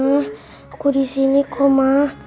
aku di sini kok ma